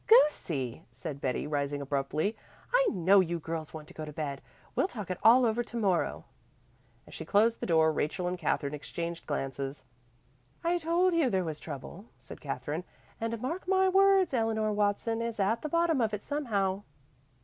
"Goosie!" said Betty, rising abruptly. "I know you girls want to go to bed. We'll talk it all over to morrow." As she closed the door, Rachel and Katherine exchanged glances. "I told you there was trouble," said Katherine, "and mark my words, Eleanor Watson is at the bottom of it somehow."